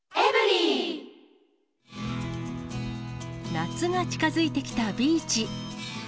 夏が近づいてきたビーチ。